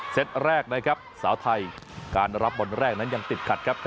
แรกนะครับสาวไทยการรับบอลแรกนั้นยังติดขัดครับ